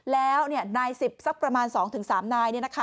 แล้วนายสิบสักประมาณ๒๓นายนะคะ